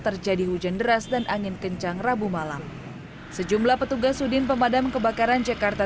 terjadi hujan deras dan angin kencang rabu malam sejumlah petugas sudin pemadam kebakaran jakarta